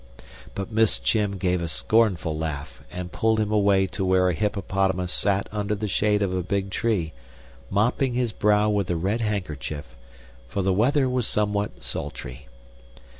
But Miss Chim gave a scornful laugh, and pulled him away to where a hippopotamus sat under the shade of a big tree, mopping his brow with a red handkerchief for the weather was somewhat sultry.